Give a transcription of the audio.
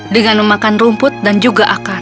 dengan memakan rumput dan juga akar